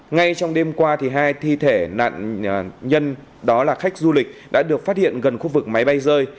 ngay trong đêm qua hai thi thể nạn nhân đó là khách du lịch đã được phát hiện gần khu vực máy bay rơi